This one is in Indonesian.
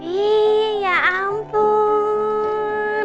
iiih ya ampun